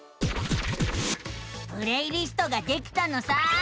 プレイリストができたのさあ。